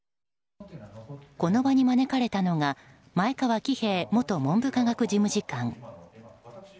この場に招かれたのは前川喜平元文部科学事務次官。